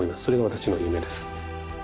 それが私の夢です。